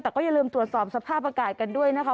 แต่ก็อย่าลืมตรวจสอบสภาพอากาศกันด้วยนะคะ